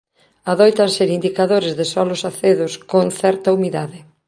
Adoitan ser indicadores de solos acedos con certa humidade.